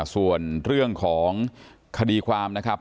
ส่วนเรื่องของคดีความนะครับ